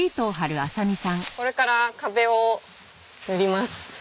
これから壁を塗ります。